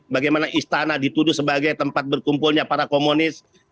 bagaimana istana dituduh sebagai tempat berkumpulnya para komunis